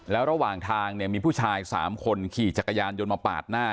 แล้วระหว่างทางเนี่ยมีผู้ชาย๓คนขี่จักรยานยนต์มาปาดหน้า